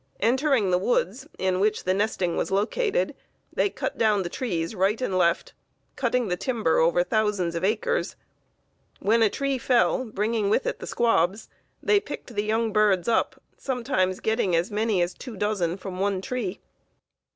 Entering the woods in which the nesting was located, they cut down the trees right and left, cutting the timber over thousands of acres. When a tree fell, bringing with it the squabs, they picked the young birds up, sometimes getting as many as two dozen from one tree.